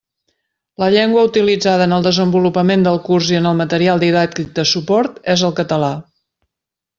La llengua utilitzada en el desenvolupament del curs i en el material didàctic de suport és el català.